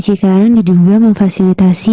ckrn di jumlah memfasilitasi